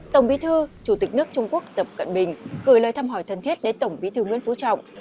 tổng bí thư chủ tịch nước trung quốc tập cận bình gửi lời thăm hỏi thân thiết đến tổng bí thư nguyễn phú trọng